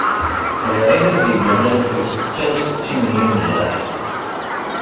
D ayen i d-igan alef u setta u settin n yimejraḥ.